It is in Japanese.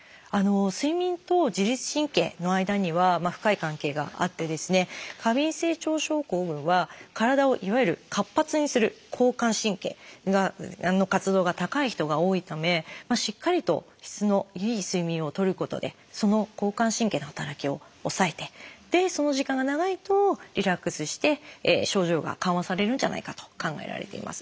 睡眠と自律神経の間には深い関係があって過敏性腸症候群は体をいわゆる活発にする交感神経の活動が高い人が多いためしっかりと質のいい睡眠をとることでその交感神経の働きを抑えてその時間が長いとリラックスして症状が緩和されるんじゃないかと考えられています。